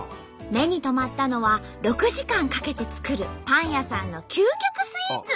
目に留まったのは６時間かけて作るパン屋さんの究極スイーツ。